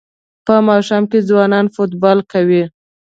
په ماښام کې ځوانان فوټبال کوي.